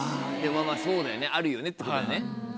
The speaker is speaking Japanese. そうだよねあるよねってことだよね。